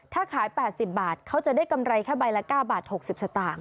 ถ้าขาย๘๐บาทเขาจะได้กำไรแค่ใบละ๙บาท๖๐สตางค์